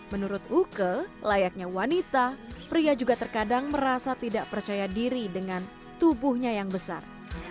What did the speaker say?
menurut uke layaknya wanita pria juga terkadang merasa tidak percaya diri dengan tubuhnya yang besar